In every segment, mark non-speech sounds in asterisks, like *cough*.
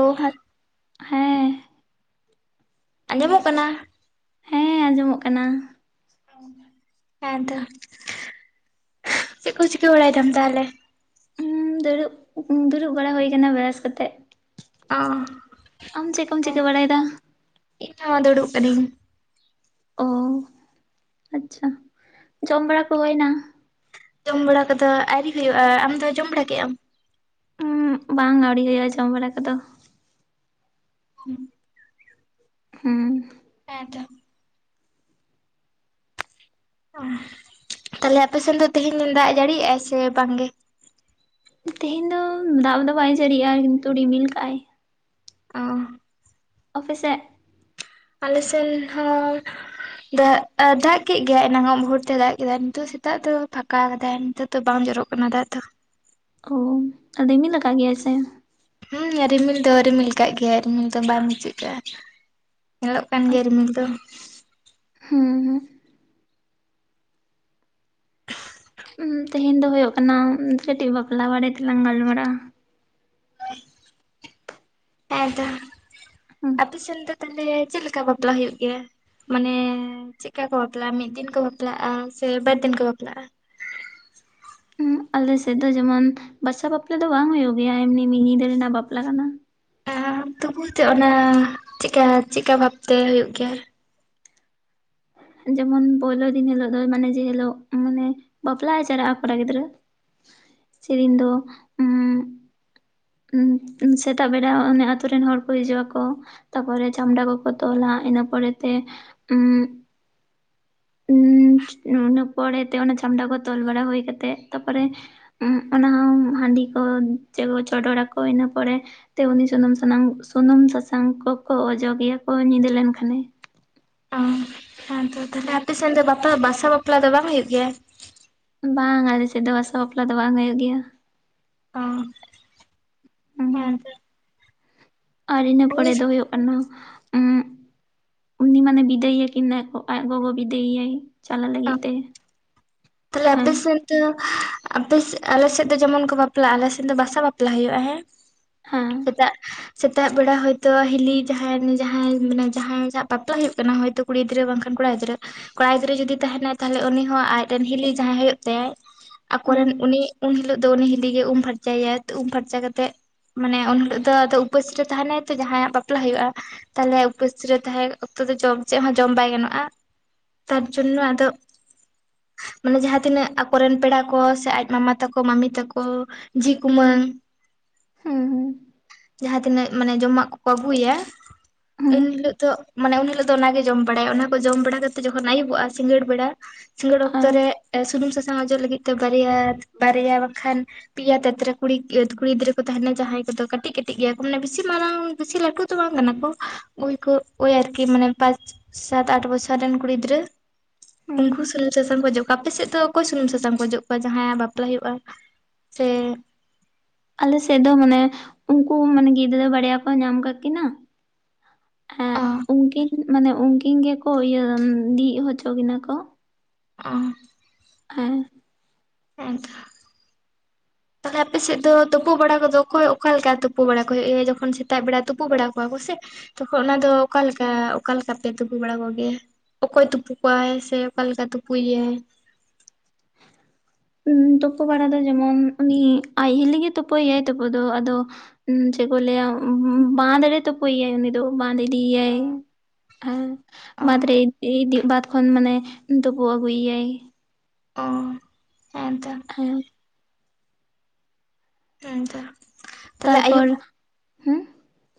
ᱳ ᱟᱡ ᱦᱮᱸ᱾ ᱟᱸᱡᱚ ᱢᱚᱜ ᱠᱟᱱᱟ? ᱦᱮᱸ ᱟᱸᱡᱚᱢᱚᱜ ᱠᱟᱱᱟ᱾ ᱦᱮᱸ ᱛᱚ, ᱪᱮᱫ ᱠᱚᱢ ᱪᱤᱠᱟᱹ ᱵᱟᱲᱟᱭ ᱫᱟᱢ ᱛᱟᱦᱞᱮ? ᱩᱸ ᱫᱩᱲᱩᱵ ᱫᱩᱲᱩᱵ ᱵᱟᱲᱟ ᱦᱩᱭ ᱟᱠᱟᱱᱟ ᱵᱮᱨᱟᱥ ᱠᱟᱛᱮᱫ᱾ ᱚ ᱠᱚᱢ ᱦᱮᱸ ᱪᱤᱠᱟᱹ ᱵᱟᱲᱟᱭᱮᱫᱟ ᱤᱧ ᱦᱚᱸ ᱫᱩᱲᱩᱵ ᱠᱟᱹᱱᱤᱧ᱾ ᱚ ᱟᱪᱪᱷᱟ ᱡᱚᱢ ᱵᱟᱲᱟ ᱠᱚ ᱦᱳᱭ ᱱᱟ? ᱡᱚᱢ ᱵᱟᱲᱟ ᱠᱚᱫᱚ ᱟᱣᱨᱤ ᱦᱳᱭᱳᱜᱼᱟ, ᱟᱢ ᱫᱚ ᱡᱚᱢ ᱵᱟᱲᱟ ᱠᱮᱫ ᱟᱢ? ᱵᱟᱝ ᱟᱣᱨᱤ ᱦᱳᱭᱳᱜᱼᱟ ᱡᱚᱢ ᱵᱟᱲᱟ ᱠᱚᱫᱚ᱾ *unintelligible* ᱦᱩᱸ ᱦᱮᱸ ᱛᱚ, ᱚ ᱛᱟᱦᱞᱮ ᱟᱯᱮ ᱥᱮᱱ ᱫᱚ ᱛᱮᱦᱮᱧ ᱫᱟᱜ ᱡᱟᱹᱲᱤᱭᱮᱫᱼᱟ ᱥᱮ ᱵᱟᱝ ᱜᱮ? ᱛᱮᱦᱮᱧ ᱫᱚ ᱫᱟᱜ ᱫᱚ ᱵᱟᱭ ᱡᱟᱹᱲᱤᱜᱼᱟ ᱠᱤᱱᱛᱩ ᱨᱤᱢᱤᱞ ᱠᱟᱜᱼᱟᱭ᱾ ᱚ᱾ ᱟᱯᱮ ᱥᱮᱫ ᱟᱞᱮ ᱥᱮᱱ ᱦᱚᱸ ᱟᱜ ᱫᱟᱜ ᱠᱮᱫ ᱜᱮᱭᱟᱭ ᱮᱱᱟᱝ ᱟᱜ ᱢᱩᱦᱩᱨᱛᱮ ᱫᱟᱜ ᱠᱮᱫᱟᱭ ᱱᱤᱛᱚᱜ ᱥᱮᱛᱟᱜ ᱫᱚ ᱯᱷᱟᱸᱠᱟ ᱠᱟᱫᱟᱭ, ᱱᱤᱛᱚ ᱵᱟᱝ ᱡᱚᱨᱚᱜ ᱠᱟᱱᱟ ᱫᱟᱜ ᱫᱚ᱾ ᱚ ᱨᱤᱢᱤᱞ ᱟᱠᱟᱫ ᱜᱮᱭᱟᱭ ᱥᱮ? ᱦᱮᱸ ᱨᱤᱢᱤᱞ ᱫᱚ ᱨᱤᱢᱤᱞ ᱠᱟᱜ ᱜᱮᱭᱟ ᱨᱤᱢᱤᱞ ᱫᱚ ᱵᱟᱝ ᱵᱩᱡᱷᱟᱹᱜ ᱠᱟᱱᱟ᱾ ᱧᱮᱞᱚᱜ ᱠᱟᱱ ᱜᱮᱭᱟ ᱨᱤᱢᱤᱞ ᱫᱚ᱾ ᱦᱸ ᱻ ᱛᱮᱦᱮᱧ ᱫᱚ ᱦᱩᱭᱩᱜ ᱠᱟᱱᱟ ᱠᱟᱹᱴᱤᱡ ᱵᱟᱯᱞᱟ ᱵᱟᱨᱮ ᱛᱮᱞᱟᱝ ᱜᱟᱞ ᱢᱟᱨᱟᱜᱼᱟ᱾ ᱦᱮᱸ ᱛᱚ, ᱦᱩᱸ ᱟᱯᱮ ᱥᱮᱱ ᱫᱚ ᱛᱟᱦᱞᱮ ᱪᱮᱫ ᱞᱮᱠᱟ ᱵᱟᱯᱞᱟ ᱦᱩᱭᱩᱜ ᱜᱮᱭᱟ? ᱢᱟᱱᱮ ᱪᱮᱫ ᱠᱟ ᱠᱚ ᱵᱟᱯᱞᱟᱜᱼᱟ ᱢᱤᱫ ᱫᱤᱱ ᱠᱚ ᱵᱟᱯᱞᱟᱜᱼᱟ, ᱥᱮ ᱵᱟᱨ ᱫᱤᱱ ᱠᱚ ᱵᱟᱯᱞᱟᱜᱼᱟ? ᱦᱩᱸ ᱟᱞᱮ ᱥᱮᱫ ᱫᱚ ᱡᱮᱢᱚᱱ ᱵᱟᱥᱟ ᱵᱟᱯᱞᱟ ᱫᱚ ᱵᱟᱝ ᱦᱩᱭᱩᱜ ᱜᱮᱭᱟ, ᱮᱢᱱᱤ ᱢᱤᱫ ᱧᱤᱫᱟᱹ ᱨᱮᱱᱟᱜ ᱵᱟᱯᱞᱟ ᱠᱟᱱᱟ᱾ ᱛᱚᱵᱩ *unintelligible* ᱚᱱᱟ ᱪᱮᱫᱠᱟ ᱪᱮᱫᱠᱟ ᱵᱷᱟᱯ ᱛᱮ ᱦᱩᱭᱩᱜ ᱜᱮ ᱭᱟ᱾ ᱡᱮᱢᱚᱱ ᱯᱳᱭᱞᱳ ᱫᱤᱱ ᱦᱤᱞᱳᱜ ᱫᱚ ᱢᱟᱱᱮ ᱡᱮ ᱦᱤᱞᱳᱜ ᱢᱟᱱᱮ ᱵᱟᱯᱞᱟᱜ ᱮ ᱪᱟᱞᱟᱜᱼᱟ ᱠᱚᱲᱟ ᱜᱤᱫᱽᱨᱟᱹ ᱥᱮ ᱫᱤᱱ ᱫᱚ ᱩᱸᱻ ᱩᱸ ᱥᱮᱛᱟᱜ ᱵᱮᱲᱟ ᱚᱱᱮ ᱟᱛᱳ ᱨᱮᱱ ᱦᱚᱲ ᱠᱚ ᱦᱤᱡᱩᱜ ᱟᱠᱚ ᱛᱟ ᱯᱚᱨᱮ ᱪᱷᱟᱢᱰᱟ ᱠᱚ ᱠᱚ ᱛᱚᱞᱼᱟ ᱤᱱᱟᱹ ᱯᱚᱨᱮ ᱛᱮ ᱩᱸ ᱤᱱᱟᱹ ᱯᱚᱨᱮ ᱛᱮ ᱚᱱᱟ ᱪᱷᱟᱢᱰᱟ ᱠᱚ ᱛᱚᱞ ᱵᱟᱲᱟ ᱦᱩᱭ ᱠᱟᱛᱮᱜ ᱛᱟᱯᱚᱨᱮ᱾ ᱚᱱᱟ ᱦᱚᱸ ᱦᱟᱹᱰᱤ ᱠᱚ ᱪᱚᱰᱚᱨ ᱟᱠᱚ ᱤᱱᱟᱹ ᱯᱚᱨᱮ ᱥᱮ ᱩᱱᱤ ᱥᱩᱱᱩᱢ ᱥᱟᱱᱟᱢ ᱥᱩᱱᱩᱢ ᱥᱟᱥᱟᱝ ᱠᱚᱠᱚ ᱚᱡᱚᱜᱮᱭᱟ ᱠᱚ ᱧᱤᱫᱟᱹ ᱞᱮᱱᱠᱷᱟᱱ ᱜᱮ᱾ ᱚ ᱦᱮᱸ ᱛᱚ ᱛᱟᱦᱞᱮ ᱟᱯᱮ ᱥᱮᱱ ᱫᱚ ᱵᱟᱥᱟ ᱵᱟᱯᱞᱟ ᱫᱚ ᱵᱟᱝ ᱦᱩᱭᱩᱜ ᱜᱮᱭᱟ᱾ ᱵᱟᱝ ᱟᱞᱮ ᱥᱮᱱ ᱫᱚ ᱵᱟᱥᱚ ᱵᱟᱯᱞᱟ ᱫᱚ ᱵᱟᱝ ᱦᱳᱭᱳᱜ ᱜᱮᱭᱟ᱾ ᱚ ᱦᱮᱸ ᱟᱨ ᱤᱱᱟᱹ ᱯᱚᱨᱮ ᱫᱚ ᱦᱳᱭᱳᱜ ᱠᱟᱱᱟ᱾ *unintelligible* ᱩᱱᱤ ᱢᱟᱱᱮ ᱵᱤᱫᱟᱹᱭ ᱮ ᱠᱟᱱᱟ ᱠᱚ ᱟᱡ ᱜᱚᱜᱚ ᱵᱤᱫᱟᱹᱭ ᱭᱟᱭ᱾ ᱪᱟᱞᱟᱜ ᱞᱟᱜᱤᱫ ᱛᱮ᱾ ᱛᱟᱞᱦᱮ ᱦᱮᱸ ᱟᱯᱮᱥᱮᱫ ᱦᱳᱭ ᱛᱚ ᱟᱯᱮ ᱥᱮ ᱟᱞᱮ ᱥᱮᱫ ᱫᱚ ᱡᱮᱢᱚᱱ ᱠᱚ ᱵᱟᱯᱞᱟᱜᱼᱟ ᱟᱞᱮ ᱥᱮᱫ ᱫᱚ ᱵᱟᱥᱟ ᱵᱟᱯᱞᱟ ᱦᱩᱭᱩᱜᱼᱟ ᱦᱮᱸ᱾ ᱦᱮᱸ ᱥᱮᱛᱟᱜ ᱥᱮᱛᱟᱜ ᱵᱮᱲᱟ ᱦᱳᱭᱛᱳ ᱦᱤᱞᱤ ᱡᱟᱦᱟᱸᱭᱱ ᱡᱟᱦᱟᱸᱭ ᱢᱟᱱᱮ ᱡᱟᱦᱟᱭ ᱥᱟᱜ ᱵᱟᱯᱞᱟ ᱦᱩᱭᱩᱜ ᱠᱟᱱᱟ ᱦᱳᱭᱛᱳ ᱠᱩᱲᱤ ᱜᱤᱫᱽᱨᱟᱹ ᱵᱟᱝᱠᱷᱟᱱ ᱠᱚᱲᱟ ᱜᱤᱫᱽᱨᱟᱹ ᱠᱚᱲᱟ ᱜᱤᱫᱽᱟᱹ ᱡᱩᱫᱤ ᱛᱟᱦᱮᱱᱟ ᱛᱟᱦᱚᱞᱮ ᱩᱱᱤ ᱦᱚᱸ ᱟᱡᱨᱮ ᱨᱮᱱ ᱦᱤᱞᱤ ᱡᱟᱦᱟᱸᱭ ᱦᱳᱭᱳᱜ ᱛᱟᱭᱟ ᱦᱮᱸ ᱟᱠᱚᱨᱮᱱ ᱩᱱᱤ ᱩᱱ ᱦᱤᱞᱳᱜ ᱫᱚ ᱩᱱᱤ ᱦᱤᱞᱤ ᱜᱮ ᱩᱢ ᱯᱷᱟᱨᱪᱟᱭᱟ ᱛᱚ ᱩᱢ ᱯᱷᱟᱨᱪᱟ ᱠᱟᱛᱮᱜ᱾ ᱢᱟᱱᱮ ᱩᱱ ᱦᱤᱞᱳᱜ ᱫᱚ ᱟᱫᱚ ᱩᱯᱟᱹᱥ ᱨᱮ ᱛᱟᱦᱮᱱᱟᱭ ᱛᱚ ᱡᱟᱦᱟᱸᱭᱟᱜ ᱵᱟᱯᱞᱟ ᱦᱳᱭᱳᱜᱼᱟ᱾ ᱛᱟᱦᱚᱞᱮ ᱩᱯᱟᱹᱥ ᱨᱮ ᱛᱟᱦᱮᱸ ᱚᱠᱛᱚ ᱫᱚ ᱡᱚᱢ ᱪᱮᱫ ᱦᱚᱸ ᱡᱚᱢ ᱵᱟᱭ ᱜᱟᱱᱚᱜᱼᱟ ᱛᱟᱨ ᱡᱚᱱᱱᱚ ᱟᱫᱚ ᱢᱟᱱᱮ ᱡᱟᱦᱟᱸ ᱛᱤᱱᱟᱹᱜ ᱟᱠᱚᱨᱮᱱ ᱯᱮᱲᱟ ᱠᱚ ᱥᱮ ᱟᱡ ᱢᱟᱢᱟ ᱛᱟᱠᱚ ᱢᱟᱢᱤ ᱛᱟᱠᱚ ᱡᱷᱤ ᱠᱩᱢᱟᱹᱝ ᱦᱮᱸ ᱦᱮᱸ ᱡᱟᱦᱟᱸ ᱛᱤᱱᱟᱹᱜ ᱢᱟᱱᱮ ᱡᱚᱢᱟᱜ ᱠᱚᱠᱚ ᱟᱹᱜᱩᱭᱟ᱾ ᱮᱱ ᱦᱮᱸ ᱦᱤᱞᱟᱹᱜ ᱫᱚ ᱢᱟᱱᱮ ᱩᱱ ᱦᱤᱞᱳᱜ ᱫᱚ ᱚᱱᱟᱜᱮ ᱡᱚᱢ ᱵᱟᱲᱟᱭᱟ ᱚᱱᱟ ᱠᱚ ᱡᱚᱢ ᱵᱟᱲᱟ ᱠᱟᱛᱮ ᱡᱚᱠᱷᱚᱱ ᱟᱹᱭᱩᱵᱚᱜᱼᱟ ᱥᱤᱸᱜᱟᱹᱲ ᱵᱮᱲᱟ᱾ ᱥᱤᱸᱜᱟᱹᱲ ᱚᱠᱛᱚ ᱦᱮᱸ ᱨᱮ ᱥᱩᱱᱩᱢ ᱥᱟᱥᱟᱝ ᱚᱡᱚᱜ ᱞᱟᱹᱜᱤᱫ ᱛᱮ ᱵᱟᱨᱭᱟ ᱵᱟᱨᱭᱟ ᱵᱟᱝ ᱠᱷᱟᱱ ᱯᱮᱭᱟ ᱛᱟᱛᱨᱤ ᱠᱩᱲᱤ ᱠᱩᱲᱤ ᱜᱤᱫᱽᱨᱟᱹ ᱠᱚ ᱛᱟᱦᱮᱱᱟ ᱡᱟᱦᱟᱸᱭ ᱠᱚᱫᱚ ᱠᱟᱴᱤᱡ ᱠᱟᱴᱤᱡ ᱜᱮᱭᱟ ᱠᱚ ᱢᱟᱱᱮ ᱵᱤᱥᱤ ᱢᱟᱨᱟᱝ ᱵᱤᱥᱤ ᱞᱟᱹᱴᱩ ᱛᱚ ᱵᱟᱝ ᱠᱟᱱᱟ ᱠᱚ ᱳᱭ ᱠᱚ ᱳᱭ ᱟᱨᱠᱤ ᱢᱟᱱᱮ ᱯᱟᱪ ᱥᱟᱛ ᱟᱴ ᱵᱚᱪᱷᱚᱨ ᱨᱮᱱ ᱠᱩᱲᱤ ᱜᱤᱫᱽᱨᱟᱹ ᱦᱩᱸ ᱩᱱᱠᱩ ᱥᱩᱱᱩᱢ ᱥᱟᱥᱟᱝ *unintelligible* ᱚᱡᱚᱜᱠᱚᱣᱟ ᱟᱯᱮ ᱥᱮᱫ ᱫᱚ ᱚᱠᱚᱭ ᱥᱩᱱᱩᱢ ᱥᱟᱥᱟᱝ ᱠᱚᱡᱚᱜ ᱠᱚᱣᱟ ᱡᱟᱦᱟᱸᱭ ᱟᱜ ᱵᱟᱯᱞᱟ ᱦᱳᱭᱳᱜᱼᱟ ᱥᱮ ᱟᱞᱮ ᱥᱮᱫ ᱫᱚ ᱢᱟᱱᱮ ᱩᱱᱠᱩ ᱢᱟᱱᱮ ᱜᱤᱫᱽᱨᱟᱹ ᱵᱟᱨᱭᱟ ᱠᱚ ᱧᱟᱢ ᱠᱟᱠᱤᱱᱟ᱾ ᱦᱮᱸ ᱚ ᱩᱱᱠᱤᱱ ᱢᱟᱱᱮ ᱩᱱᱠᱤᱱ ᱜᱮᱠᱚ ᱤᱭᱟᱹ ᱫᱤᱜ ᱦᱚᱪᱚ ᱠᱤᱱᱟ ᱠᱚ᱾ ᱚ ᱦᱮᱸ ᱦᱮᱸ ᱛᱚ *inaudible* ᱛᱟᱦᱚᱞᱮ ᱟᱯᱮ ᱥᱮᱫ ᱫᱚ ᱛᱳᱯᱳ ᱵᱟᱲᱟ ᱠᱚᱫᱚ ᱚᱠᱚᱭ ᱚᱠᱟᱞᱮᱠᱟ ᱛᱳᱯᱳ ᱵᱟᱲᱟ ᱠᱚ ᱦᱩᱭᱩᱜᱼᱟ ᱡᱚᱠᱷᱚᱱ ᱥᱮᱛᱟᱜ ᱵᱮᱲᱟ ᱛᱩᱯᱩ ᱵᱟᱲᱟ ᱠᱚᱣᱟ ᱠᱚ ᱥᱮ ᱛᱚᱠᱷᱚᱱ ᱚᱱᱟᱫᱚ ᱚᱠᱟᱞᱮᱠᱟ ᱚᱠᱟ ᱞᱮᱠᱟᱯᱮ ᱛᱩᱯᱩ ᱵᱟᱲᱟ ᱠᱚᱜᱮᱭᱟ ᱚᱠᱚᱭ ᱛᱩᱯᱩ ᱠᱚᱣᱟᱭ ᱥᱮ ᱚᱠᱟᱮᱠᱟ ᱛᱩᱯᱩᱭᱭᱟᱭ *inaudible* ᱛᱳᱯᱳ ᱵᱟᱲᱟ ᱫᱚ ᱡᱮᱢᱚᱱ ᱩᱱᱤ ᱟᱡ ᱦᱤᱞᱤᱜᱮ ᱛᱳᱯᱳᱭ ᱭᱟᱭ ᱛᱳᱯᱳ ᱫᱚ ᱟᱫᱚ *unintelligible* ᱪᱮᱫ ᱠᱚ ᱞᱲᱹᱭᱟ ᱵᱟᱸᱫᱷ ᱨᱮ ᱛᱳᱯᱳᱭ ᱭᱟᱭ ᱩᱱᱤ ᱫᱚ ᱵᱟᱸᱫᱷ ᱤᱫᱤᱭᱟᱭ᱾ ᱦᱮᱸ ᱵᱟᱸᱫᱽ ᱨᱮ ᱚ ᱵᱟᱸᱫ ᱠᱷᱚᱱ ᱢᱟᱱᱮ ᱛᱳᱯᱳ ᱟᱜᱩᱭᱭᱟᱭ, ᱚ ᱦᱮᱸᱛᱚ, ᱦᱮᱸ ᱦᱮᱸᱛᱚ, ᱛᱟᱦᱞᱮ ᱟᱹᱭᱩᱵ ᱛᱟᱨᱯᱚᱨ ᱦᱩᱸ,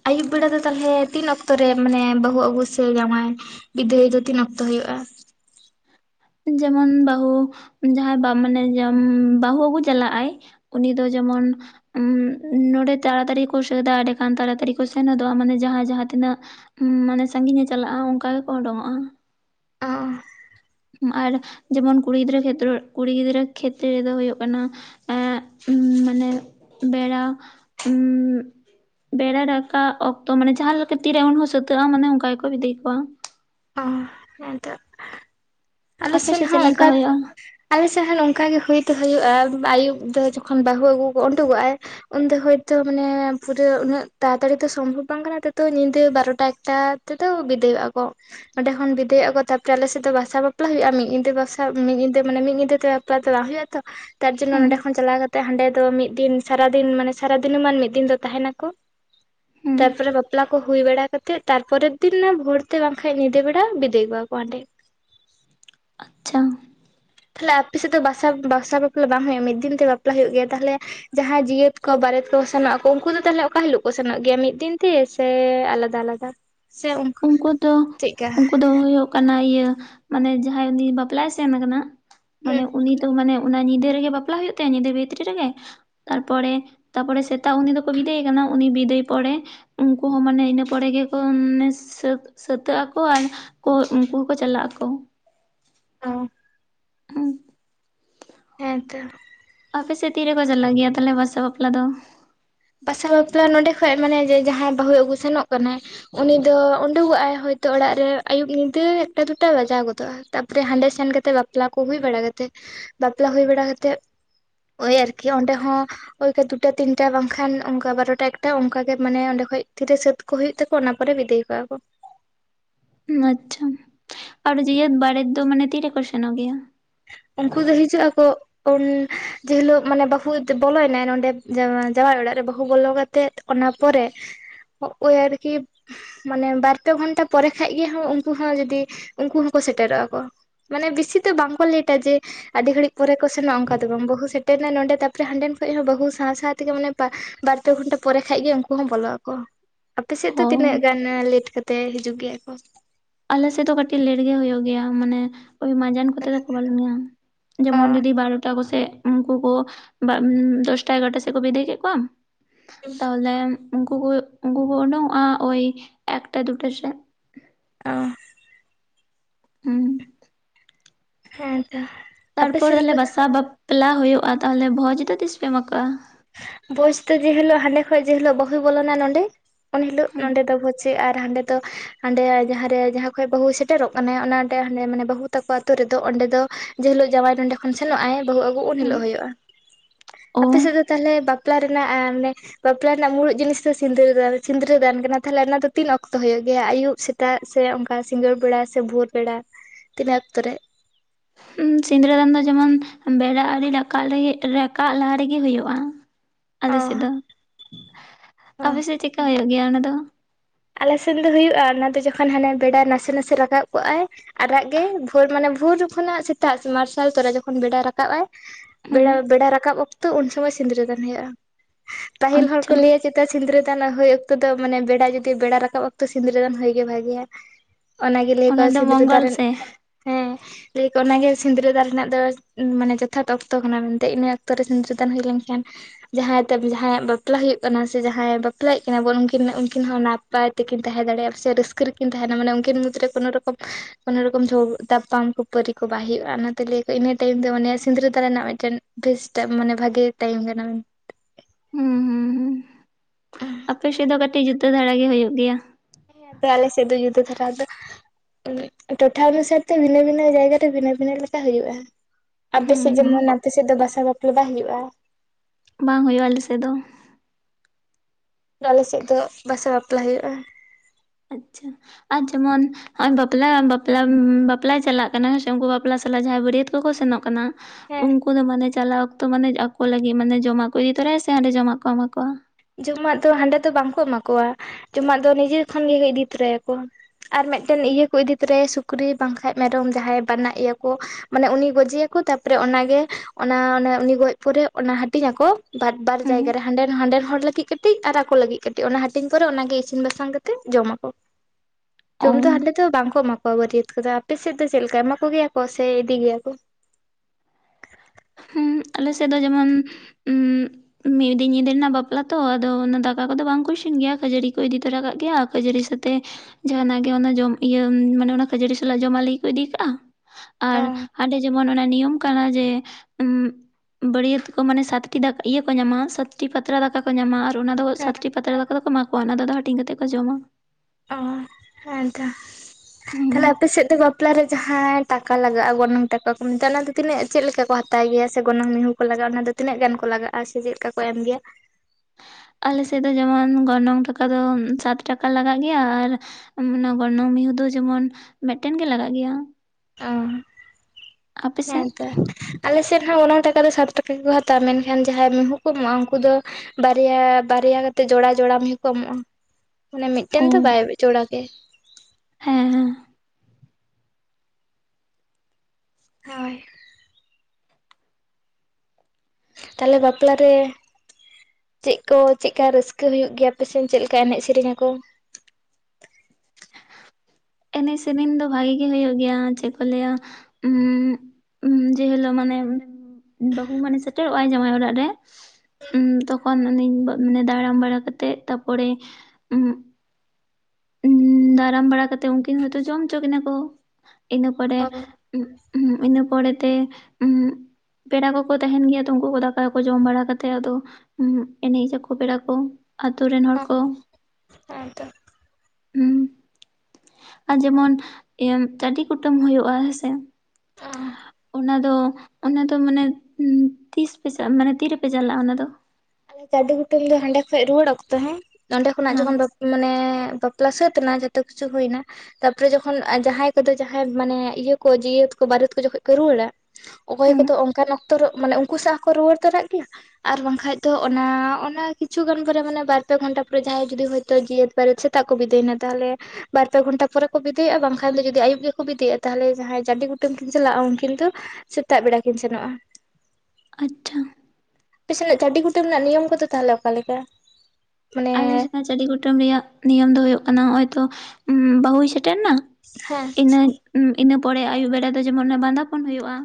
ᱟᱹᱭᱩᱵ ᱵᱮᱲᱟ ᱫᱚ ᱛᱟᱞᱦᱮ ᱛᱤᱱ ᱚᱠᱛᱚ ᱨᱮ ᱢᱟᱱᱮ ᱵᱟᱹᱦᱩ ᱟᱹᱜᱩ ᱥᱮ ᱡᱟᱶᱟᱭ, ᱵᱤᱫᱟᱹᱭ ᱫᱚ ᱛᱤᱱ ᱚᱠᱛᱚ ᱦᱳᱭᱳᱜᱼᱟ, ᱡᱮᱢᱚᱱ ᱵᱟᱹᱦᱩ ᱡᱟᱦᱟᱸᱭ ᱢᱟᱱᱮ ᱡᱟᱢ ᱵᱟᱹᱦᱩ ᱟᱹᱜᱩ ᱪᱟᱞᱟᱜ ᱟᱭ, ᱩᱱᱤ ᱫᱚ ᱡᱮᱢᱚᱱ, ᱩᱸ ᱱᱚᱸᱰᱮ ᱛᱟᱲᱟ ᱛᱟᱲᱤ ᱠᱚ ᱥᱟᱹᱫᱟ ᱮᱸᱰᱮ ᱠᱷᱟᱱ ᱛᱟᱲᱟ ᱛᱟᱨᱤ ᱠᱚ ᱥᱮᱱ ᱦᱚᱫᱚᱜᱼᱟ ᱢᱟᱱᱮ ᱡᱟᱦᱟᱸᱭ ᱡᱟᱦᱟᱛᱤᱱᱟᱹᱜ, ᱢᱟᱱᱮ ᱥᱟᱹᱜᱤᱧᱮ ᱪᱟᱞᱟᱜᱼᱟ ᱚᱱᱠᱟ ᱜᱮᱠᱚ ᱚᱸᱰᱚᱝᱚᱜᱼᱟ, ᱚᱦᱻ ᱟᱨ ᱡᱮᱢᱚᱱ ᱠᱩᱲᱤ ᱜᱤᱫᱽᱨᱟᱹ ᱠᱷᱮᱛᱨᱚ ᱠᱩᱲᱤ ᱜᱤᱫᱽᱨᱟᱹ ᱠᱷᱮᱛᱨᱮ ᱨᱮᱫᱚ ᱦᱳᱭᱳᱜ ᱠᱟᱱᱟ ᱮᱸᱜ, ᱩᱢ ᱢᱟᱱᱮ ᱵᱮᱲᱟ ᱩᱜ, ᱵᱮᱲᱟ ᱨᱟᱠᱟᱵ ᱚᱠᱛᱚ ᱢᱟᱱᱮ ᱡᱟᱦᱟᱸ ᱞᱮᱠᱟ ᱛᱤᱨᱮ ᱩᱱ ᱦᱚᱸ ᱥᱟᱹᱛᱟᱹᱜᱼᱟ ᱢᱟᱱᱮ ᱚᱱᱠᱟ ᱜᱮᱠᱚ ᱵᱤᱫᱟᱹᱭ ᱠᱚᱣᱟ, ᱦᱮᱸ ᱚᱱᱛᱮ ᱟᱞᱮ ᱟᱯᱮ ᱥᱮᱱ ᱥᱮᱫ ᱪᱮᱫ ᱦᱚᱸ ᱞᱮᱠᱟ ᱚᱱᱠᱟ ᱦᱩᱭᱩᱜᱼᱟ ᱟᱞᱮ ᱥᱮᱫ ᱦᱚᱸ ᱱᱚᱝᱠᱟ ᱜᱮ ᱦᱩᱭ ᱫᱚ ᱦᱩᱭᱩᱜ-ᱟ ᱟᱹᱭᱩᱵ ᱫᱚ ᱡᱚᱠᱷᱚᱱ ᱵᱟᱹᱦᱩ ᱟᱹᱜᱩ ᱠᱚ ᱩᱰᱩᱠᱚᱜ ᱟᱭ, ᱩᱱᱫᱚ ᱦᱚᱳᱭᱛᱳ ᱢᱟᱱᱮ ᱯᱩᱨᱟᱹ ᱩᱱᱟᱹᱜ ᱛᱟᱲᱟᱛᱟᱲᱤ ᱛᱚ ᱥᱚᱢᱵᱷᱚᱵ ᱵᱟᱝ ᱠᱟᱱᱟ ᱛᱚ ᱧᱤᱫᱟᱹ ᱵᱟᱨᱚᱴᱟ ᱮᱠᱴᱟ, ᱛᱮᱫᱚ ᱵᱤᱫᱟᱹᱭᱚᱜ-ᱟ ᱠᱚ, ᱚᱸᱰᱮ ᱠᱷᱚᱱ ᱵᱤᱫᱟᱹᱭᱚᱜᱼᱟ ᱠᱚ ᱛᱟᱯᱚᱨᱮ ᱟᱞᱮ ᱥᱮᱫ ᱫᱚ ᱵᱟᱥᱟ ᱵᱟᱯᱞᱟ ᱦᱩᱭᱩᱜᱼᱟ ᱢᱤᱫ ᱧᱤᱫᱟᱹ ᱵᱟᱥᱟ ᱢᱤᱫ ᱧᱤᱫᱟᱹ ᱢᱟᱱᱮ ᱢᱤᱫ ᱧᱤᱫᱟᱹ ᱛᱮ, ᱞᱟ ᱪᱟᱞᱟᱜ ᱦᱩᱭᱩᱜ-ᱟ ᱛᱚ, ᱛᱟᱨ ᱡᱚᱱᱱᱚ ᱦᱩᱸ ᱱᱚᱰᱮ ᱠᱷᱚᱱ ᱪᱟᱞᱟᱣ ᱠᱟᱛᱮᱜ ᱦᱟᱸᱰᱮ ᱫᱚ ᱢᱤᱫ ᱫᱤᱱ ᱥᱟᱨᱟᱫᱤᱱ ᱢᱟᱱᱮ ᱥᱟᱨᱟᱫᱤᱱᱚᱢᱟᱱ ᱢᱤᱫ ᱫᱤᱱ ᱫᱚ ᱛᱟᱦᱮᱸᱱᱟᱠᱚ, *unintelligible* ᱛᱟᱨᱯᱚᱨᱮ ᱵᱟᱯᱞᱟ ᱠᱚ ᱦᱩᱭ ᱵᱟᱲᱟ ᱠᱟᱛᱮᱫ ᱛᱟᱨᱯᱚᱨᱮᱨ ᱫᱤᱱ ᱵᱷᱳᱨ ᱛᱮ ᱵᱟᱝ, ᱠᱷᱟᱡ ᱧᱤᱫᱟᱹ ᱵᱮᱲᱟ ᱵᱤᱫᱟᱹᱭ ᱠᱚᱣᱟ ᱠᱚ ᱦᱟᱸᱰᱮ, ᱟᱪᱪᱷᱟ, ᱛᱟᱦᱞᱮ ᱟᱯᱮ ᱥᱮᱫ ᱫᱚ ᱵᱟᱥᱟ ᱵᱟᱥᱟ ᱵᱟᱯᱞᱟ ᱵᱟᱝ ᱦᱳᱭᱼᱟ ᱢᱤᱫ ᱫᱤᱱ ᱛᱮ ᱵᱟᱯᱞᱟ ᱦᱳᱭᱳ ᱜᱮᱭᱟ ᱛᱟᱦᱞᱮ, ᱡᱟᱦᱟᱸᱭ ᱡᱤᱭᱟᱹᱛ ᱠᱚ ᱵᱟᱨᱮ ᱛᱮ ᱠᱚ ᱥᱮᱱᱚᱜ ᱟᱠᱚ ᱩᱱᱠᱩ ᱫᱚ ᱛᱟᱦᱚᱞᱮ ᱚᱠᱟ ᱦᱤᱞᱳᱜ ᱠᱚ ᱥᱮᱱᱚᱜ ᱜᱮᱭᱟ ᱢᱤᱫ ᱫᱤᱱ ᱛᱮ ᱥᱮ ᱥᱮ ᱟᱞᱟᱫᱟ ᱟᱞᱟᱫᱟ? ᱩᱱᱠᱩ ᱫᱚ ᱪᱮᱫᱠᱟ ᱩᱱᱠᱩ ᱫᱚ ᱦᱳᱭᱳᱜ, ᱤᱭᱟᱹ ᱢᱟᱱᱮ ᱡᱟᱦᱟᱸᱭ ᱩᱱᱤ ᱵᱟᱯᱞᱟᱭ ᱥᱮᱱ ᱠᱟᱱᱟ ᱢᱟᱱᱮ ᱦᱮᱸ ᱩᱱᱤ, ᱛᱚ ᱢᱟᱱᱮ ᱚᱱᱟ ᱧᱤᱫᱟᱹ ᱨᱮᱜᱮ ᱵᱟᱯᱞᱟ ᱦᱩᱭᱩᱜ ᱛᱟᱭᱟ ᱧᱤᱫᱟᱹ ᱵᱷᱤᱛᱨᱤ ᱨᱮᱜᱮ, ᱛᱟᱨᱯᱚᱨᱮ ᱛᱟᱨᱯᱚᱨᱮ ᱥᱮᱛᱟᱜ ᱩᱱᱤ ᱫᱚᱠᱚ ᱵᱤᱫᱟᱹᱭᱮ ᱠᱟᱱᱟ ᱩᱱᱤ ᱵᱤᱫᱟᱹᱭ ᱯᱚᱨᱮ, ᱩᱱᱠᱩ ᱦᱚᱸ ᱢᱟᱱᱮ ᱤᱱᱟᱹ ᱯᱚᱨᱮ ᱜᱮᱠᱚ ᱢᱟᱱᱮᱥ, ᱥᱟᱹᱛ ᱥᱟᱹᱛᱟᱹᱜ ᱟᱠᱚ ᱟᱨ ᱩᱱᱠᱩ ᱦᱚᱸᱠᱚ ᱪᱟᱞᱟᱜ ᱟᱠᱚ, ᱚ ᱩᱸ ᱦᱮᱸ ᱛᱚᱻ ᱟᱯᱮᱥᱮᱫ ᱛᱤᱨᱮᱠᱚ ᱪᱟᱞᱟᱜ ᱜᱮᱭᱟ ᱛᱟᱦᱚᱞᱮ ᱵᱟᱥᱟ ᱵᱟᱯᱞᱟ ᱫᱚ, ᱵᱟᱥᱟ ᱵᱟᱯᱞᱟ ᱱᱚᱸᱰᱮ ᱠᱷᱚᱡ ᱢᱟᱱᱮ ᱡᱟᱦᱟᱸᱭ ᱵᱟᱹᱦᱩ ᱟᱹᱜᱩ ᱥᱮᱱᱚᱜ ᱠᱟᱱᱟᱭ ᱩᱱᱤ ᱫᱚ ᱩᱱᱤ, ᱩᱰᱩᱠᱚᱜᱼᱟᱭ ᱦᱳᱭᱛᱳ ᱚᱲᱟᱜ ᱨᱮ ᱟᱹᱭᱩᱵ ᱧᱤᱫᱟᱹ ᱮᱠᱴᱟ ᱫᱩᱴᱟ ᱵᱟᱡᱟᱣ ᱜᱚᱫᱚᱜᱼᱟ ᱛᱟᱯᱚᱨᱮ ᱦᱟᱸᱰᱮ ᱥᱮᱱ ᱠᱟᱛᱮ ᱵᱟᱯ, ᱵᱟᱯᱞᱟ ᱠᱩ ᱦᱩᱭ ᱵᱟᱲᱟ ᱠᱟᱛᱮᱫ ᱵᱟᱯᱞᱟ ᱦᱩᱭ ᱵᱟᱲᱟᱛᱮᱫ, ᱳᱭ ᱟᱨᱠᱤ ᱚᱸᱰᱮ ᱦᱚᱸ ᱳᱭ ᱫᱩᱴᱟ ᱛᱤᱱᱴᱟ ᱵᱟᱝ, ᱠᱷᱟᱱ ᱚᱱᱠᱟ ᱵᱟᱨᱚᱴᱟ ᱮᱠᱴᱟ ᱚᱱᱠᱟ ᱜᱮ ᱢᱟᱱᱮ ᱚᱸᱰᱮ ᱠᱷᱚᱡ ᱛᱤᱨᱮ ᱥᱟᱹᱛ ᱠᱚ ᱦᱩᱭᱩᱜ ᱛᱟᱠᱚ ᱚᱱᱟᱯᱟᱨᱮ ᱵᱤᱫᱟᱹᱭ ᱠᱚᱣᱟ ᱠᱚ, ᱟᱪᱪᱷᱟ ᱟᱨ ᱡᱤᱭᱟᱹᱛ ᱵᱟᱨᱮᱛ ᱫᱚ ᱢᱟᱱᱮ ᱛᱤ ᱨᱮᱠᱚ ᱥᱮᱱᱚᱜ ᱜᱮᱭᱟ, ᱩᱱᱠᱩ ᱫᱚ ᱦᱤᱡᱩᱜ ᱟᱠᱚ, ᱩᱱ ᱡᱮ ᱦᱤᱞᱳᱜ ᱢᱟᱱᱮ ᱵᱟᱹᱦᱩ ᱵᱚᱞᱚᱭᱮᱱᱟᱭ ᱱᱚᱸᱰᱮ ᱡᱟᱶᱟᱭ ᱚᱲᱟᱜ ᱨᱮ ᱵᱟᱹᱦᱩ ᱵᱚᱞᱚ ᱠᱟᱛᱮᱫ, ᱚᱱᱟ ᱯᱚᱨᱮ ᱳᱭ ᱟᱨᱠᱤ, ᱢᱟᱱᱮ ᱵᱟᱨᱯᱮ ᱜᱷᱚᱱᱴᱟ ᱯᱚᱨᱮ ᱠᱷᱟᱡ ᱜᱮ ᱩᱱᱠᱩ ᱦᱚᱸ ᱡᱚᱫᱤ ᱩᱱᱠᱩ ᱦᱚᱸᱠᱚ ᱥᱮᱴᱮᱨᱚᱜᱼᱟ ᱠᱚ, ᱢᱟᱱᱮ ᱵᱮᱥᱤ ᱛᱚ ᱵᱟᱝ ᱠᱚ ᱞᱮᱴᱟ ᱡᱮ, ᱟᱹᱰᱤ ᱜᱷᱟᱹᱲᱤᱡ ᱯᱚᱨᱮ ᱠᱚ ᱥᱮᱱᱚᱜᱼᱟ ᱚᱱᱠᱟ ᱫᱚ ᱵᱟᱝ ᱵᱟᱹᱦᱩ ᱥᱮᱴᱮᱨᱱᱟ ᱱᱚᱰᱮ ᱛᱟᱨᱯᱚᱨᱮ ᱦᱟᱸᱰ ᱠᱷᱚᱱ ᱦᱚᱸ ᱵᱟᱹᱦᱩ ᱥᱟᱶ ᱥᱟᱶ ᱛᱮᱜᱮ ᱢᱟᱱᱮ, ᱵᱟᱨᱯᱮ ᱜᱷᱚᱱᱴᱟ ᱯᱚᱨᱮ ᱠᱷᱟᱡ ᱜᱮ ᱩᱱᱠᱩ ᱦᱚᱸ ᱵᱚᱞᱚᱜ ᱟᱠᱚ, ᱟᱯᱮᱥᱮᱫ ᱫᱚ ᱚ ᱛᱤᱱᱟᱹᱜ ᱜᱟᱱ ᱞᱮᱴ ᱠᱟᱛᱮ ᱦᱤᱡᱩᱜ ᱜᱮᱭᱟ ᱠᱚ, ᱟᱞᱮ ᱥᱮᱫ ᱫᱚ ᱠᱟᱹᱴᱤᱡ ᱞᱮᱴ ᱜᱮ ᱦᱩᱭᱩᱜ ᱜᱮᱭᱟ ᱢᱟᱱᱮ ᱳᱭ ᱢᱟᱡᱟᱱ ᱠᱚᱛᱮ ᱫᱚᱠᱚ ᱵᱚᱞᱚᱱ ᱜᱮᱭᱟ, ᱚ ᱡᱮᱢᱚᱱ ᱡᱩᱫᱤ ᱵᱟᱨᱚᱴᱟ ᱠᱚᱥᱮᱡ ᱩᱱᱠᱩ ᱠᱚ, ᱵᱟ ᱫᱚᱥᱴᱟ ᱮᱜᱟᱨᱚᱴᱟ ᱥᱮᱫ ᱠᱚ ᱵᱤᱫᱟᱹᱭ ᱠᱮᱫ ᱠᱚᱣᱟ, ᱛᱟᱦᱞᱮ ᱩᱱᱠᱩ ᱠᱚ ᱩᱱᱠᱩ ᱠᱚ ᱩᱰᱩᱝᱚᱜᱼᱟ ᱳᱭ ᱮᱠᱴᱟ ᱫᱩᱴᱟ ᱥᱮᱫ, ᱚᱻ ᱦᱩᱸ ᱦᱮᱸ ᱛᱚ, ᱟᱯᱮ ᱛᱟᱨᱯᱚᱨᱮ ᱥᱮᱱ ᱞᱮ ᱫᱚ ᱵᱟᱥᱟ ᱵᱟᱯᱞᱟ ᱦᱩᱭᱩᱜᱼᱟ ᱛᱟᱦᱚᱞᱮ ᱵᱷᱚᱡᱽ ᱫᱚ ᱛᱤᱥ ᱯᱮ ᱮᱢᱟ ᱠᱚᱣᱟ, ᱵᱷᱚᱡ ᱛᱚ ᱡᱮᱦᱤᱞᱳᱜ ᱦᱟᱸᱰᱮ ᱠᱷᱚᱡ ᱡᱮ ᱦᱤᱞᱳᱜ ᱵᱟᱦᱩᱭ ᱵᱚᱞᱚᱱᱟ ᱱᱚᱸᱰᱮ, ᱩᱱ ᱦᱤᱞᱳᱜ ᱦᱮᱸ ᱱᱚᱸᱰᱮ ᱫᱚ ᱵᱷᱳᱡᱽ ᱟᱨ ᱦᱟᱸᱰᱮ ᱫᱚ, ᱦᱟᱸᱰᱮ ᱡᱟᱦᱟᱸᱨᱮ ᱡᱟᱦᱟᱸ ᱠᱷᱚᱡ ᱵᱟᱹᱦᱩᱭ ᱥᱮᱴᱮᱨᱚᱜ ᱠᱟᱱᱮ ᱚᱱᱟᱸᱰᱮ ᱢᱟᱱᱮ ᱵᱟᱹᱦᱩ ᱛᱟᱠᱚ ᱟᱛᱳ ᱨᱮᱫᱚ ᱚᱸᱰᱮ ᱫᱚ, ᱡᱮ ᱦᱤᱞᱳᱜ ᱡᱟᱶᱟᱭ ᱱᱚᱰᱮ ᱠᱷᱚᱱ ᱥᱮᱱᱚᱜ ᱟᱭ ᱵᱟᱹᱦᱩ ᱟᱹᱜᱩ ᱩᱱ ᱦᱮᱸ ᱦᱤᱞᱳᱜ ᱦᱩᱭᱩᱜᱼᱟ ᱚ ᱟᱯᱮᱥᱮᱫ ᱫᱚ ᱛᱟᱦᱚᱞᱮ, ᱨᱮᱱᱟᱜ-ᱟ ᱱᱮᱻ ᱵᱟᱯᱞᱟ ᱨᱮᱱᱟᱜ ᱢᱩᱬᱩᱛ ᱡᱤᱱᱤᱥ ᱫᱚ ᱥᱤᱸᱨᱟᱹ ᱫᱟᱱ ᱥᱤᱸᱫᱽᱨᱟᱹᱫᱟᱱ ᱠᱟᱱᱟ ᱛᱟᱦᱟᱞᱮ ᱚᱱᱟ ᱫᱚ ᱛᱤᱱ ᱚᱠᱛᱚ ᱦᱳᱭᱩᱜ ᱜᱮᱭᱟ ᱟᱹᱭᱩᱵ ᱥᱮ ᱼᱼ ᱥᱮᱛᱟᱜ ᱥᱮ ᱚᱱᱠᱟ ᱥᱤᱸᱜᱟᱹᱲ ᱵᱮᱲᱟ ᱥᱮ ᱵᱷᱳᱨ ᱵᱮᱲᱟ ᱛᱤᱱᱟᱹᱜ ᱚᱠᱛᱚ ᱨᱮ? ᱩᱸ ᱥᱤᱸᱫᱽᱨᱟᱹ ᱫᱟᱱ ᱫᱚ ᱡᱮᱢᱚᱱ ᱵᱮᱲᱟ ᱟᱣᱨᱤ ᱨᱟᱠᱟᱵ ᱨᱮᱜᱮ ᱨᱟᱠᱟᱵ ᱞᱟᱦᱟ ᱨᱮᱜᱮ ᱦᱩᱭᱩᱜᱼᱟ। ᱟᱞᱮ ᱚ ᱥᱮᱫ ᱫᱚ, ᱚ ᱟᱯᱮ ᱥᱮᱫ ᱪᱮᱫᱠᱟ ᱦᱩᱭᱩᱜ ᱜᱮᱭᱟ ᱚᱱᱟ ᱫᱚ? ᱟᱞᱮ ᱥᱮᱱ ᱫᱚ ᱦᱩᱭᱩᱜᱼᱟ ᱚᱱᱟ ᱫᱚ ᱡᱚᱠᱷᱚᱱ ᱦᱟᱱᱮ ᱵᱮᱰᱟ ᱱᱟᱥᱮ ᱱᱟᱥᱮ ᱨᱟᱠᱟᱵ ᱠᱚᱜᱼᱟᱭ ᱟᱨᱟᱜ ᱜᱮ ᱵᱷᱳᱨ ᱢᱟᱱᱮ ᱵᱷᱳᱨ ᱠᱷᱚᱱᱟᱜ ᱥᱮᱛᱟᱜ ᱢᱟᱨᱥᱟᱞ ᱛᱚᱨᱟ, ᱡᱚᱠᱷᱚᱱ ᱵᱮᱲᱟ ᱨᱟᱠᱟᱵ ᱟᱭ ᱦᱩᱸ ᱵᱮᱲᱟ ᱵᱮᱲᱟ ᱨᱟᱠᱟᱵ ᱚᱠᱛᱚ ᱩᱱ ᱥᱚᱢᱚᱭ ᱥᱤᱸᱫᱽᱨᱟᱹ ᱫᱟᱱ ᱦᱩᱭᱩᱜᱼᱟ, ᱯᱟᱹᱦᱤᱞ ᱦᱚᱲ ᱟᱪᱪᱷᱟ ᱠᱚ ᱞᱟᱹᱭᱟ ᱼᱼ ᱪᱮᱛᱟ ᱥᱤᱸᱫᱽᱨᱟᱹ ᱫᱟᱱ ᱦᱩᱭ ᱚᱠᱛᱚ ᱫᱚ ᱢᱟᱱᱮ ᱵᱮᱲᱟ ᱡᱩᱫᱤ ᱵᱮᱲᱟ ᱨᱟᱠᱟᱵ ᱚᱠᱛᱚ ᱥᱤᱸᱫᱽᱨᱟᱹ ᱫᱟᱱ ᱦᱩᱭ ᱜᱮ ᱵᱷᱟᱜᱮᱭᱟ। ᱚᱱᱟ ᱜᱮ ᱞᱟᱹᱭᱟ ᱠᱚ ᱫᱚ ᱥᱤᱸᱫᱽᱨᱟᱹ ᱫᱟᱱ ᱢᱚᱝᱜᱚᱞ ᱨᱮᱱ ᱥᱮ *unintelligible* ᱞᱟᱹᱭᱟ ᱠᱚ ᱚᱱᱟᱜᱮ ᱥᱤᱸᱫᱨᱟᱹ ᱫᱟᱱ ᱨᱮᱱᱟᱜ ᱫᱚ ᱢᱟᱱᱮ ᱡᱚᱛᱷᱟᱛ ᱚᱠᱛᱚ ᱠᱟᱱᱟ ᱢᱮᱱᱛᱮ, ᱤᱱᱟᱹ ᱚᱠᱛᱚ ᱨᱮ ᱥᱤᱸᱫᱽᱨᱟᱹ ᱫᱟᱱ ᱦᱩᱭ ᱞᱮᱱᱠᱷᱟᱱ ᱡᱟᱦᱟᱸᱭ ᱟᱛᱮ ᱡᱟᱦᱟᱸᱭᱟᱜ ᱵᱟᱯᱞᱟ ᱦᱩᱭᱩᱜ ᱠᱟᱱᱟ ᱥᱮ ᱡᱟᱦᱟᱸᱭᱮ ᱵᱟᱯᱞᱟᱭᱮᱫ ᱠᱤᱱᱟ ᱵᱚᱱ ᱩᱱᱠᱤᱱ ᱩᱱᱠᱤᱱ ᱦᱚᱸ ᱱᱟᱯ ᱯᱟᱭ ᱛᱮᱠᱤᱱ ᱛᱟᱦᱮᱸ ᱫᱟᱲᱮᱭᱟᱜᱼᱟ ᱥᱮ ᱨᱟᱹᱥᱠᱟᱹ ᱨᱮᱠᱤᱱ ᱛᱟᱦᱮᱱᱟ, ᱢᱟᱱᱮ ᱩᱱᱠᱤᱱ ᱢᱩᱫᱽᱨᱮ ᱠᱳᱱᱳ ᱨᱚᱠᱚᱢ ᱠᱳᱱᱳ ᱨᱚᱠᱚᱢᱷ ᱛᱟᱯᱟᱢ ᱠᱷᱟᱹᱯᱟᱹᱨᱤ ᱠᱚ ᱵᱟᱭ ᱦᱩᱭᱩᱜᱼᱟ ᱚᱱᱟᱛᱮ ᱞᱟᱹᱭ ᱠᱚᱼᱟ ᱤᱱᱟᱹ ᱴᱟᱭᱤᱢ ᱫᱚ ᱢᱚᱱᱮ ᱥᱤᱸᱝᱨᱟᱹ ᱫᱟᱨᱮ ᱨᱮᱱᱟᱜ ᱢᱤᱫᱴᱮᱱ ᱯᱨᱮᱥ ᱴᱟᱜ ᱢᱟᱱᱮ ᱵᱷᱟᱜᱮ ᱴᱟᱭᱤᱢ ᱠᱟᱱᱟ᱾ ᱦᱩᱸ ᱦᱩᱸ ᱦᱩᱸ ᱟᱯᱮ ᱥᱮᱫ ᱫᱚ ᱠᱟᱹᱴᱤᱡ ᱡᱩ ᱡᱩᱫᱟᱹ ᱫᱷᱟᱨᱟ ᱜᱮ ᱦᱩᱭᱩᱜ ᱜᱮᱭᱟ। ᱛᱚ ᱟᱞᱮ ᱥᱮᱫ ᱫᱚ ᱡᱩᱫᱟᱹ ᱫᱷᱟᱨᱟ ᱟᱫᱚ ᱴᱚᱴᱷᱟ ᱚᱱᱩᱥᱟᱨ ᱛᱮ ᱵᱷᱤᱱᱟᱹ ᱵᱷᱤᱱᱟᱹ ᱡᱟᱭᱜᱟᱮ ᱵᱷᱤᱱᱟᱹ ᱵᱷᱤᱱᱟᱹ ᱞᱮᱠᱟ ᱦᱩᱭᱩᱜᱼᱟ। ᱦᱩᱸ ᱟᱯᱮᱥᱮᱫ ᱦᱩᱸ ᱡᱮᱢᱚᱱ ᱟᱯᱮᱥᱮᱫ ᱫᱚ ᱵᱟᱥᱟ ᱵᱟᱯᱞᱟ ᱵᱟᱭ ᱦᱩᱭᱩᱜᱼᱟ? ᱵᱟᱝ ᱦᱩᱭᱩᱜᱼᱟ ᱟᱞᱮᱥᱮᱫ ᱫᱚ। ᱟᱫᱚ ᱟᱞᱮ ᱥᱮᱫ ᱫᱚ ᱵᱟᱥᱟ ᱵᱟᱯᱞᱟ ᱦᱩᱭᱩᱜᱼᱟ। ᱟᱪᱪᱷᱟ ᱟᱨ ᱡᱮᱢᱚᱱ ᱵᱟᱯᱞᱟ, ᱵᱟᱯᱞᱟ ᱵᱟᱯᱞᱟᱭ ᱪᱟᱞᱟᱜ ᱠᱟᱱᱟ᱾ᱦᱮᱸ ᱥᱮ ᱩᱱᱠᱩ ᱵᱟᱯᱞᱟ ᱥᱟᱞᱟᱜ ᱡᱟᱦᱟᱸᱭ ᱵᱟᱹᱨᱭᱟᱹᱛ ᱠᱚᱠᱚ ᱥᱮᱱᱚᱜ ᱠᱟᱱᱟ ᱦᱮᱸ ᱩᱱᱠᱩ ᱫᱚ ᱢᱟᱱᱮ ᱪᱟᱞᱟᱣ ᱚᱠᱛᱚ ᱢᱟᱱᱮ ᱟᱠᱚ ᱞᱟᱹᱜᱤᱫ ᱢᱟᱱᱮ ᱡᱚᱢᱟᱜ ᱠᱚ ᱤᱫᱤ ᱛᱚᱨᱟᱭᱟ ᱥᱮ? ᱦᱟᱸᱰᱮ ᱡᱚᱢᱟᱜ ᱠᱚ ᱮᱢᱟ ᱠᱚᱣᱟ? ᱡᱚᱢᱟᱜ ᱫᱚ ᱦᱟᱸᱰᱮ ᱫᱚ ᱵᱟᱝ ᱠᱚ ᱮᱢᱟ ᱠᱚᱣᱟ᱾ ᱡᱚᱢᱟᱜ ᱫᱚ ᱱᱤᱡᱮ ᱠᱷᱚᱱ ᱜᱮ ᱤᱫᱤ ᱛᱚᱨᱟᱭᱟᱠᱚ᱾ ᱟᱨ ᱢᱤᱫᱴᱮᱱ ᱤᱭᱟᱹ ᱠᱚ ᱤᱫᱤ ᱛᱚᱨᱟᱭᱟ ᱥᱩᱠᱨᱤ ᱵᱟᱝᱠᱷᱟᱡ ᱢᱮᱨᱚᱢ ᱡᱟᱦᱟᱸᱭ ᱵᱟᱱᱟᱜ ᱮᱭᱟᱠᱚ᱾ ᱢᱟᱱᱮ ᱩᱱᱤ ᱜᱚᱡᱮᱭᱟᱠᱚ ᱛᱟᱨᱯᱚᱨᱮ ᱚᱱᱟᱜᱮ ᱚᱱᱟ ᱱᱚᱣᱟ ᱩᱱᱤ ᱜᱚᱡ ᱯᱚᱨᱮ ᱚᱱᱟ ᱦᱟᱹᱴᱤᱧ ᱟᱠᱚ᱾ ᱵᱟᱨ ᱵᱟᱨ ᱦᱩᱸ ᱡᱟᱭᱜᱟ ᱨᱮ ᱦᱟᱸᱰᱮᱱ ᱦᱟᱸᱰᱮᱱ ᱦᱚᱲ ᱞᱟᱹᱜᱤᱫ ᱠᱟᱹᱴᱤᱡ ᱟᱨ ᱟᱠᱚ ᱞᱟᱹᱜᱤᱫ ᱠᱟᱹᱴᱤᱡ᱾ ᱚᱱᱟ ᱦᱟᱹᱴᱤᱧ ᱯᱚᱨᱮ ᱚᱱᱟᱜᱮ ᱤᱥᱤᱱ ᱵᱟᱥᱟᱝ ᱠᱟᱛᱮᱫ ᱡᱚᱢᱟᱠᱚ᱾ ᱚ ᱡᱚᱢ ᱫᱚ ᱦᱟᱸᱰᱮ ᱫᱚ ᱵᱟᱝᱠᱚ ᱮᱢᱟ ᱠᱚᱣᱟ ᱵᱟᱹᱨᱭᱟᱹᱛ ᱠᱚᱫᱚ। ᱟᱯᱮ ᱥᱮᱫ ᱫᱚ ᱪᱮᱫ ᱞᱮᱠᱟ ᱮᱢᱟ ᱠᱚ ᱜᱮᱭᱟ ᱠᱚ ᱥᱮ ᱤᱫᱤ ᱜᱮᱭᱟ ᱠᱚ? ᱦᱩᱸ ᱟᱞᱮ ᱥᱮᱫ ᱫᱚ ᱡᱮᱢᱚᱱ ᱩᱸᱜ ᱢᱤᱫ ᱫᱤᱱ ᱧᱤᱫᱟᱹ ᱨᱮᱱᱟᱜ ᱵᱟᱯᱞᱟ ᱛᱚ ᱟᱫᱚ ᱚᱱᱟ ᱫᱟᱠᱟ ᱠᱚᱫᱚ ᱵᱟᱝᱠᱚ ᱤᱥᱤᱱ ᱜᱮᱭᱟ ᱠᱷᱟᱹᱡᱟᱹᱲᱤ ᱠᱚ ᱤᱫᱤ ᱛᱚᱨᱟ ᱠᱟᱜ ᱜᱮᱭᱟ᱾ ᱠᱷᱟᱹᱡᱟᱹᱲᱤ ᱥᱟᱶᱛᱮ ᱡᱟᱦᱟᱸᱱᱟᱜ ᱜᱮ ᱚᱱᱟ ᱡᱚᱢ ᱤᱭᱟᱹ ᱢᱟᱱᱮ ᱚᱱᱟ ᱠᱷᱟᱹᱡᱟᱹᱲᱤ ᱥᱟᱞᱟᱜ ᱡᱚᱢᱟᱜ ᱞᱟᱹᱜᱤᱫ ᱠᱚ ᱤᱫᱤ ᱠᱟᱜᱼᱟ᱾ ᱚ ᱟᱨ ᱦᱟᱸᱰᱮ ᱡᱮᱢᱚᱱ ᱚᱱᱟ ᱱᱤᱭᱚᱢ ᱠᱟᱱᱟ ᱡᱮ ᱩᱸᱜ ᱵᱟᱹᱨᱭᱟᱹᱛ ᱠᱚ ᱢᱟᱱᱮ ᱥᱟᱛᱴᱤ ᱫᱟ ᱤᱭᱟᱹ ᱠᱚ ᱧᱟᱢᱟ ᱥᱟᱛᱴᱤ ᱯᱟᱛᱲᱟ ᱫᱟᱠᱟ ᱠᱚ ᱧᱟᱢᱟ᱾ ᱚᱱᱟ ᱫᱚ ᱦᱮᱸ ᱥᱟᱛᱴᱤ ᱯᱟᱛᱲᱟ ᱫᱟᱠᱟ ᱫᱚ ᱠᱚ ᱮᱢᱟ ᱠᱚᱣᱟ ᱚᱱᱟ ᱫᱚ ᱦᱟᱹᱴᱤᱧ ᱠᱟᱛᱮ ᱠᱚ ᱡᱚᱢᱟ᱾ ᱚᱸ ᱦᱮᱸ ᱮᱱᱛᱮ, ᱦᱩᱸ, ᱟᱯᱮ ᱥᱮᱫ ᱫᱚ ᱵᱟᱯᱞᱟ ᱨᱮ ᱡᱟᱦᱟᱸ ᱴᱟᱠᱟ ᱞᱟᱜᱟᱜᱼᱟ ᱜᱚᱱᱚᱝ ᱴᱟᱠᱟ ᱠᱚ ᱢᱮᱛᱟᱜ ᱚᱱᱟ ᱫᱚ ᱛᱤᱱᱟᱹᱜ ᱪᱮᱫ ᱞᱮᱠᱟ ᱠᱚ ᱦᱟᱛᱟ, *unintelligible* ᱛᱟᱭ ᱜᱮᱭᱟ ᱥᱮ ᱜᱚᱱᱚᱝ ᱢᱤᱦᱩ ᱠᱚ ᱞᱟᱜᱟᱜᱼᱟ ᱚᱱᱟ ᱫᱚ ᱛᱤᱱᱟᱹᱜ ᱜᱟᱱ ᱠᱚ ᱞᱟᱜᱟᱜᱼᱟ ᱥᱮ ᱪᱮᱫ ᱞᱮᱠᱟ ᱠᱚ ᱮᱢ ᱜᱮᱭᱟ? ᱟᱞᱮᱥᱮᱫ ᱫᱚ ᱡᱮᱢᱚᱱ ᱜᱚᱱᱚᱝ ᱴᱟᱠᱟ ᱫᱚ ᱥᱟᱛ ᱴᱟᱠᱟ ᱞᱟᱜᱟᱜ ᱜᱮᱭᱟ᱾ ᱟᱨ ᱢᱟᱱᱮ ᱜᱚᱱᱚᱝ ᱢᱤᱦᱩᱸ ᱫᱚ ᱡᱮᱢᱚᱱ ᱢᱤᱫᱴᱮᱱ ᱜᱮ ᱞᱟᱜᱟᱜ ᱜᱮᱭᱟ᱾ ᱚ, ᱟᱯᱮ ᱦᱮᱸ ᱥᱮᱫ ᱛᱚ᱾ ᱟᱞᱮᱥᱮᱫ ᱦᱚᱸ ᱜᱚᱱᱚᱝ ᱴᱟᱠᱟ ᱫᱚ ᱥᱟᱛ ᱴᱟᱠᱟ ᱜᱮᱠᱚ ᱦᱟᱛᱟᱣᱟ᱾ ᱢᱮᱱᱠᱷᱟᱱ ᱡᱟᱦᱟᱸᱭ ᱢᱤᱦᱩᱸ ᱠᱚ ᱮᱢᱚᱜᱼᱟ ᱩᱱᱠᱩ ᱫᱚ ᱵᱟᱨᱭᱟ ᱵᱟᱨᱭᱟ ᱠᱟᱛᱮᱜ ᱡᱚᱲᱟ ᱡᱚᱲᱟ ᱢᱤᱦᱩᱸ ᱠᱚ ᱮᱢᱚᱜᱼᱟ᱾ ᱢᱟᱱᱮ ᱢᱤᱫᱴᱮᱱ ᱚ ᱫᱚ ᱵᱟᱭ ᱡᱚᱲᱟ ᱜᱮ᱾ ᱦᱮᱸ ᱦᱮᱸ, ᱦᱳᱭ, ᱛᱟᱦᱚᱞᱮ ᱵᱟᱯᱞᱟ ᱨᱮ ᱪᱮᱫ ᱠᱚ ᱪᱮᱫᱠᱟ ᱨᱟᱹᱥᱠᱟᱹ ᱦᱩᱭᱩᱜ ᱜᱮᱭᱟ ᱟᱯᱮ ᱥᱮᱱ ᱪᱮᱫ ᱞᱮᱠᱟ ᱮᱱᱮᱡ ᱥᱮᱨᱮᱧ ᱟᱠᱚ? ᱮᱱᱮᱡ ᱥᱮᱨᱮᱧ ᱫᱚ ᱵᱷᱟᱜᱮ ᱜᱮ ᱦᱳᱭᱳᱜ ᱜᱮᱭᱟ ᱪᱮᱫ ᱠᱚ ᱞᱟᱹᱭᱟ ᱩᱸᱜ ᱩ, ᱡᱮ ᱦᱤᱞᱳᱜ ᱢᱟᱱᱮ ᱵᱟᱹᱦᱩ ᱢᱟᱱᱮ ᱥᱮᱴᱮᱨᱚᱜᱼᱟᱭ ᱡᱟᱶᱟᱭ ᱚᱲᱟᱜ ᱨᱮ, ᱩᱸ ᱛᱚᱠᱷᱚᱱ ᱩᱱᱤ ᱢᱟᱱᱮ ᱫᱟᱲᱟᱢ ᱵᱟᱲᱟ ᱠᱟᱛᱮᱜ ᱛᱟᱨᱯᱚᱲᱮ ᱩᱸᱜ ᱩᱸᱻ ᱫᱟᱨᱟᱢ ᱵᱟᱲᱟ ᱠᱟᱛᱮ ᱩᱱᱠᱤᱱ ᱦᱚᱭᱛᱳ ᱡᱚᱢ ᱦᱚᱪᱚ ᱠᱤᱱᱟ ᱠᱚ, ᱤᱱᱟᱹ ᱯᱚᱲᱮ, ᱚ ᱩᱸᱜ ᱦᱩᱸ, ᱤᱱᱟ ᱯᱚᱨᱮ ᱛᱮ ᱩᱸᱜ ᱯᱮᱲᱟ ᱠᱚᱠᱚ ᱛᱟᱦᱮᱱ ᱜᱮᱭᱟ ᱛᱚ ᱩᱱᱠᱩ ᱠᱚ ᱫᱟᱠᱟᱠᱚ ᱡᱚᱢ ᱵᱟᱲᱟ ᱠᱟᱛᱮᱜ ᱟᱫᱚ, ᱩᱸᱜ ᱮᱱᱮᱡᱟᱠᱚ ᱯᱮᱲᱟ ᱠᱚ ᱟᱛᱳ ᱨᱮᱱ ᱦᱚᱲ ᱚ ᱠᱚ᱾ ᱦᱮᱸᱛᱚ ᱦᱩᱸ, ᱟᱨ ᱡᱮᱢᱚᱱ ᱤᱭᱟᱹ ᱪᱟᱹᱰᱤ ᱠᱩᱴᱟᱹᱢ ᱦᱩᱭᱩᱜᱼᱟ ᱦᱮᱸᱥᱮ? ᱚ ᱚᱱᱟ ᱫᱚ ᱚᱱᱟ ᱫᱚ ᱢᱟᱱᱮ ᱩᱸᱜ ᱛᱤᱥ ᱯᱮ ᱪᱟᱜᱼᱟ ᱢᱟᱱᱮ ᱛᱤᱨᱮᱯᱮ ᱪᱟᱞᱟᱜᱼᱟ ᱚᱱᱟ ᱫᱚ? ᱟᱞᱮ ᱪᱟᱹᱰᱤ ᱠᱩᱴᱟᱹᱢ ᱫᱚ ᱦᱟᱸᱰᱮ ᱠᱷᱚᱡ ᱨᱩᱣᱟᱹᱲ ᱚᱠᱛᱚ ᱦᱮᱸ, ᱱᱚᱰᱮ ᱠᱷᱚᱱᱟᱜ ᱦᱮᱸ ᱡᱚᱠᱷᱚᱱ ᱵᱟᱯ ᱢᱟᱱᱮ ᱵᱟᱯᱞᱟ ᱥᱟᱹᱛᱱᱟ ᱡᱚᱛᱚ ᱠᱤᱪᱷᱩ ᱦᱳᱭᱱᱟ, ᱛᱟᱯᱚᱨᱮ ᱡᱚᱠᱷᱚᱱ ᱡᱟᱦᱟᱸᱭ ᱠᱚᱫᱚ ᱡᱟᱦᱟᱸᱭ ᱢᱟᱱᱮ ᱤᱭᱟᱹ ᱠᱚ ᱡᱤᱭᱟᱹᱛ ᱠᱚ ᱵᱟᱨᱮᱛ ᱠᱚ ᱡᱚᱠᱷᱚᱡ ᱠᱚ ᱨᱩᱣᱟᱹᱲᱟ᱾ ᱚᱠᱚᱭ ᱦᱮᱸ ᱠᱚᱫᱚ ᱚᱱᱠᱟᱱ ᱚᱠᱛᱚᱨᱮ ᱢᱟᱱᱮ ᱩᱱᱠᱩ ᱥᱟᱸᱶ ᱦᱚᱸ ᱠᱚ ᱨᱩᱣᱟᱹᱲ ᱛᱚᱨᱟᱜ ᱜᱮᱭᱟ ᱟᱨ ᱵᱟᱝᱠᱷᱟᱡ, ᱛᱚ ᱚᱱᱟ, ᱚᱱᱟ ᱠᱤᱪᱷᱩ ᱜᱟᱱ ᱯᱚᱨᱮ ᱢᱟᱱᱮ ᱵᱟᱨ ᱯᱮ ᱜᱷᱚᱱᱴᱟ ᱯᱚᱨᱮ ᱡᱟᱦᱟᱸᱭ ᱡᱩᱫᱤ ᱦᱚᱭᱛᱳ ᱡᱤᱣᱮᱫ ᱵᱟᱨᱮᱫ, ᱥᱮᱛᱟᱜ ᱠᱚ ᱵᱤᱫᱟᱹᱭᱮᱱᱟ ᱛᱟᱦᱚᱞᱮ, ᱵᱟᱨ ᱯᱮ ᱜᱷᱚᱱᱴᱟ ᱯᱚᱨᱮ ᱠᱚ ᱵᱤᱫᱟᱹᱭᱚᱜᱼᱟ ᱵᱟᱝᱠᱷᱟᱱ ᱫᱚ ᱡᱩᱫᱤ ᱟᱹᱭᱩᱵ ᱜᱮᱠᱚ ᱵᱤᱫᱟᱹᱭᱚᱜᱼᱟ ᱛᱟᱦᱚᱞᱮ ᱡᱟᱦᱟᱸᱭ ᱪᱟᱹᱰᱤ ᱠᱩᱴᱟᱹᱢ ᱠᱤᱱ ᱪᱟᱞᱟᱜᱼᱟ ᱩᱱᱠᱤᱱ ᱫᱚ, ᱥᱮᱛᱟᱜ ᱵᱮᱲᱟ ᱠᱤᱱ ᱥᱮᱱᱚᱜᱼᱟ, ᱟᱪᱪᱷᱟ, ᱟᱯᱮ ᱥᱮᱫ ᱪᱟᱹᱰᱤ ᱠᱩᱴᱟᱹᱢ ᱨᱮᱱᱟᱜ ᱱᱤᱭᱚᱢ ᱠᱚᱫᱚ ᱛᱟᱦᱚᱞᱮ ᱚᱠᱟ ᱞᱮᱠᱟ? ᱢᱟᱱᱮ ᱟᱞᱮ ᱥᱮᱱᱟᱜ ᱪᱟᱹᱰᱤ ᱠᱩᱴᱟᱹᱢ ᱨᱮᱭᱟᱜ ᱱᱤᱭᱚᱢ ᱫᱚ ᱦᱳᱭᱳᱜ ᱠᱟᱱᱟ ᱱᱚᱜ ᱚᱭ ᱛᱚ ᱩᱸ ᱵᱟᱹᱦᱩᱭ ᱥᱮᱴᱮᱨ ᱱᱟ, ᱦᱮᱸ ᱤᱱᱟᱹ ᱤᱱᱟᱹ ᱯᱚᱨᱮ ᱟᱭᱩᱵ ᱵᱮᱲᱟ ᱫᱚ ᱡᱮᱢᱚᱱ ᱵᱟᱸᱫᱟᱯᱚᱱ ᱦᱳᱭᱳᱜᱼᱟ,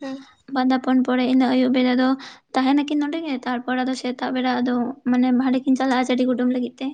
ᱦᱮᱸ ᱵᱟᱸᱫᱟ ᱯᱚᱱ ᱯᱚᱨᱮ ᱤᱱᱟᱹ ᱟᱹᱭᱩᱵ ᱵᱮᱲᱟ ᱫᱚ ᱛᱟᱦᱮᱸᱱᱟᱠᱤᱱ ᱱᱚᱰᱮ ᱜᱮ ᱛᱟᱨᱯᱚᱨ ᱟᱫᱚ ᱥᱮᱛᱟᱜ ᱵᱮᱲᱟ ᱟᱫᱚ ᱢᱟᱱᱮ ᱦᱟᱸᱰᱮ, ᱠᱤᱱ ᱪᱟᱞᱟᱜᱼᱟ ᱪᱟᱹᱰᱤ ᱠᱩᱴᱟᱹᱢ ᱞᱟᱹᱜᱤᱫ ᱛᱮ,